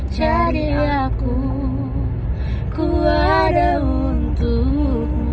jadi aku ku ada untukmu